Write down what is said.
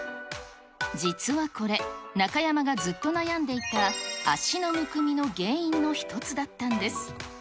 実はこれ、中山がずっと悩んでいた足のむくみの原因の一つだったんです。